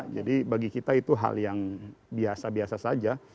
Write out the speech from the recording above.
jadi bagi kita itu hal yang biasa biasa saja